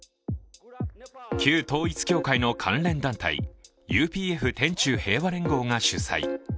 旧統一教会の関連団体、ＵＰＦ天宙平和連合が主催。